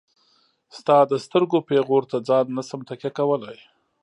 ستا د سترګو پيغور ته ځان نشم تکيه کولاي.